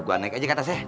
gue naik aja ke atas ya